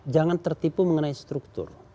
jangan tertipu mengenai struktur